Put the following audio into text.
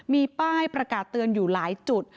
มีป้ายประกาศเตือนอยู่หลายจุด